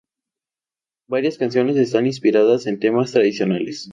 Varias canciones están inspiradas en temas tradicionales.